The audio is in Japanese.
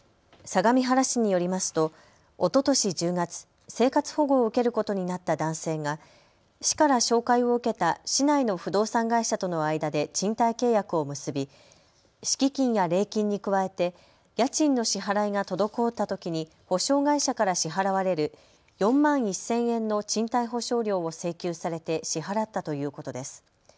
相模原市によりますとおととし１０月、生活保護を受けることになった男性が市から紹介を受けた市内の不動産会社との間で賃貸契約を結び敷金や礼金に加えて家賃の支払いが滞ったときに保証会社から支払われる４万１０００円の賃貸保証料を請求されて支払ったということです。